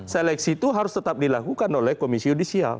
seleksi itu harus tetap dilakukan oleh komisi yudisial